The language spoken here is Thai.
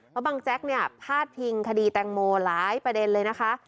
เพราะบางแจ๊กเนี่ยพาดพิงคดีแตงโมหลายประเด็นเลยนะคะ